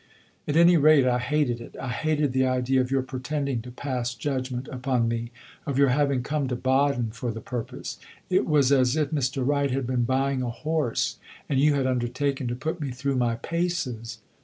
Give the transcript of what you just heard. "At any rate I hated it I hated the idea of your pretending to pass judgment upon me; of your having come to Baden for the purpose. It was as if Mr. Wright had been buying a horse and you had undertaken to put me through my paces!"